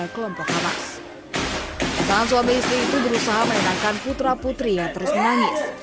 pasangan suami istri itu berusaha menenangkan putra putri yang terus menangis